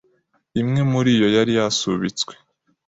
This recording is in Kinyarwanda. imwe muriyo yari yasubitswe